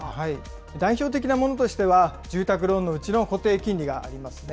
代表的なものとしては、住宅ローンのうちの固定金利がありますね。